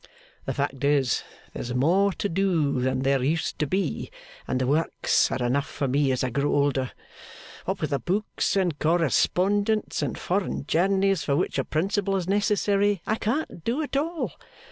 The fact is, there's more to do than there used to be, and the Works are enough for me as I grow older. What with the books and correspondence, and foreign journeys for which a Principal is necessary, I can't do all.